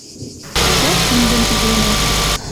Тишӓк киндӹм ӱденӓ.